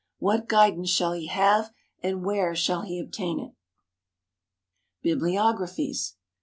What guidance shall he have and where shall he obtain it? Bibliographies.